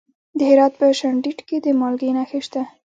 د هرات په شینډنډ کې د مالګې نښې شته.